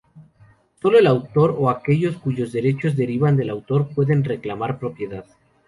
Solo el autor o aquellos cuyos derechos derivan del autor pueden reclamar propiedad.